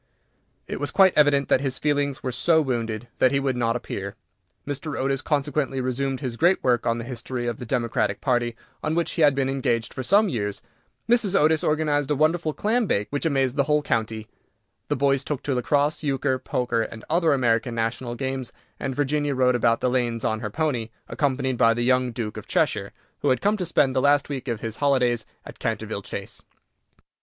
It was quite evident that his feelings were so wounded that he would not appear. Mr. Otis consequently resumed his great work on the history of the Democratic Party, on which he had been engaged for some years; Mrs. Otis organized a wonderful clam bake, which amazed the whole county; the boys took to lacrosse euchre, poker, and other American national games, and Virginia rode about the lanes on her pony, accompanied by the young Duke of Cheshire, who had come to spend the last week of his holidays at Canterville Chase.